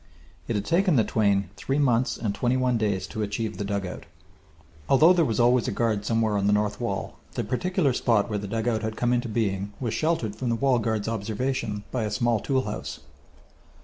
It had taken the twain three months and twenty one days to achieve the dugout. Although there was always a guard somewhere on the north wall, the particular spot where the dugout had come into being was sheltered from the wall guard's observation by a small tool house.